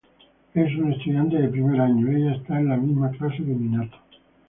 Es una estudiante de primer año, ella está en la misma clase de Minato.